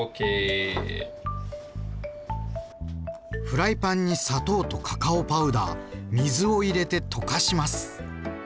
フライパンに砂糖とカカオパウダー水を入れて溶かします。